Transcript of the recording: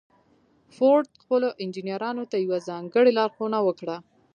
فورډ خپلو انجنيرانو ته يوه ځانګړې لارښوونه وکړه.